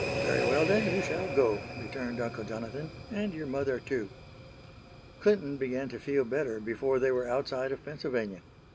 "Very well, then, you shall go," returned Uncle Jonathan, "and your mother, too." Clinton began to feel better before they were outside of Pennsylvania.